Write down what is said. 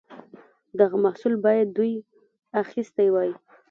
دغه محصول باید دوی اخیستی وای.